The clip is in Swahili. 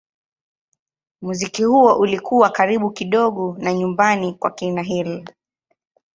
Muziki huo ulikuwa karibu kidogo na nyumbani kwa kina Hill.